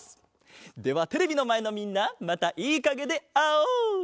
ではテレビのまえのみんなまたいいかげであおう！